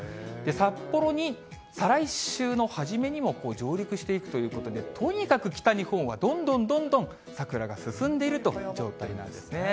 札幌に再来週の初めにも上陸していくということで、とにかく北日本はどんどんどんどん桜が進んでいるという状態なんですね。